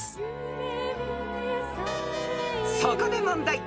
［そこで問題］